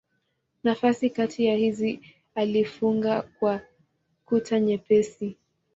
Nafasi kati ya hizi alifunga kwa kuta nyepesi.